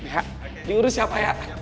ya diurus ya pak ya